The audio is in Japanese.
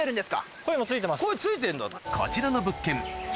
こちらの物件築